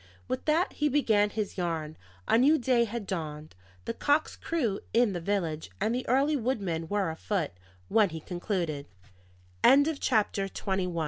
With that he began his yarn. A new day had dawned, the cocks crew in the village and the early woodmen were afoot, when he concluded. CHAPTER XXII. THE REMITTANCE MAN.